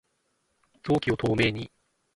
臓器を透明に